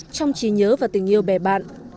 trong trí nhớ và tình yêu bè bạn